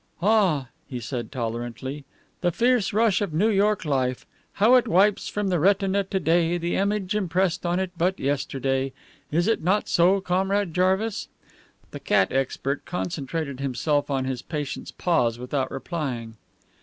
"Ah!" he said tolerantly, "the fierce rush of New York life! How it wipes from the retina to day the image impressed on it but yesterday. Is it not so, Comrade Jarvis?" The cat expert concentrated himself on his patient's paws without replying.